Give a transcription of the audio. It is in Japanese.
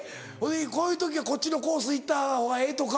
こういう時はこっちのコース行ったほうがええとか。